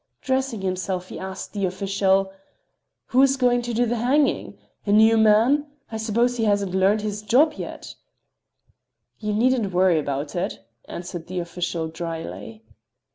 Dressing himself he asked the official: "Who is going to do the hanging? A new man? I suppose he hasn't learned his job yet." "You needn't worry about it," answered the official dryly.